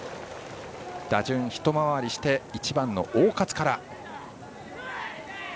打順一回りして１番の大勝から。